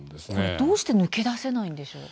どうして抜け出せないんですか。